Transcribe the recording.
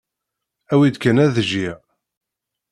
Awi-d kan ad jjiɣ.